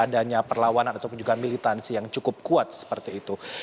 adanya perlawanan ataupun juga militansi yang cukup kuat seperti itu